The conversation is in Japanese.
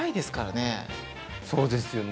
そうですよね